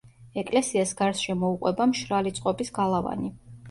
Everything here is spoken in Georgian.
ეკლესიას გარს შემოუყვება მშრალი წყობის გალავანი.